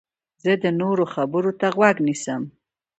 زه د نورو خبرو ته غوږ نیسم.